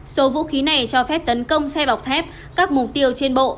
số vũ khí này cho phép tấn công xe bọc thép các mục tiêu trên bộ